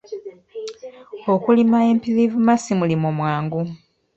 Okulima empirivuma si mulimu mwangu.